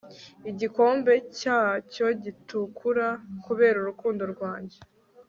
igikombe cyacyo gitukura kubera urukundo rwanjye